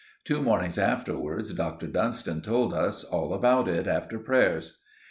Two mornings afterwards Dr. Dunstan told us all about it after prayers.